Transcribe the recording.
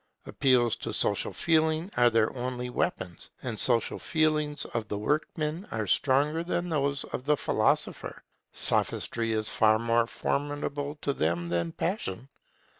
Appeals to social feeling are their only weapons; and the social feelings of the workman are stronger than those of the philosopher. Sophistry is far more formidable to them than passion.